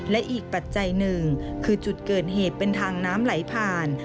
และอีกปัจจัยหนึ่งคือจุดเกิดเหตุเป็นทางน้ำไหลผ่าน